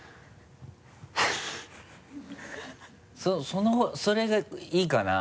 そのそれがいいかな？